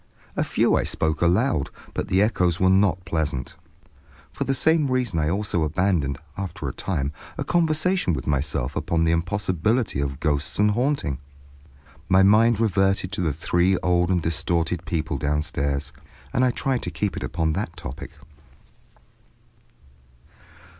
A few I spoke aloud, but the echoes were not pleasant* For the same reason I also abandoned, after a time, a conversation with myself upon the impossibility of ghosts and haunting. My mind reverted to the three old and distorted people downstairs, and I tried to keep it upon that topic.